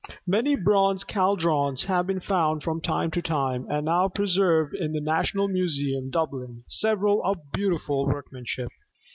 Many bronze caldrons have been found from time to time, and are now preserved in the National Museum, Dublin several of beautiful workmanship.